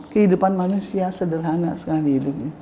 kehidupan manusia sederhana sekali hidupnya